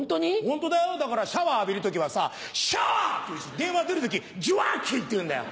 ホントだよだからシャワー浴びる時はさシャワ！って言うし電話出る時ジュワッキ！って言うんだよ。